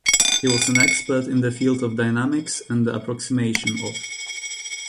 He was an expert in the field of dynamics and the approximation of.